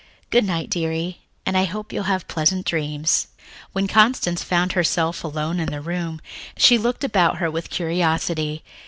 Good night dearie, and I hope you'll have pleasant dreams." When Constance found herself alone in the room, she looked about her with curiosity.